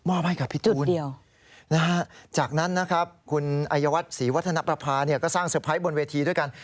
โอ้โหจุดเดียวจากนั้นนะครับคุณอัยวัฒนศรีวัฒนประภาเนี่ยก็สร้างเซอร์ไพรส์บนเวทีด้วยกัน